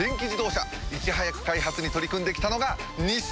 いち早く開発に取り組んで来たのが日産！